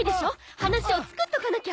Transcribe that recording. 話をつくっとかなきゃ！